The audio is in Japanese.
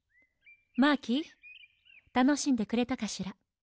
マーキーたのしんでくれたかしら。